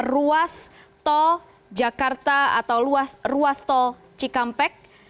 ruas tol jakarta atau ruas tol cikampek